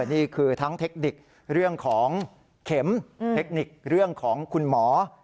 นี่คือทั้งเทคนิคเรื่องของเข็มเทคนิคเรื่องของคุณหมอ